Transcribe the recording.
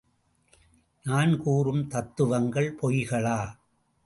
நான்கூறும் தத்துவங்கள் பொய்களா?